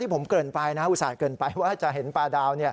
ผมเกินไปนะอุตส่าห์เกินไปว่าจะเห็นปลาดาว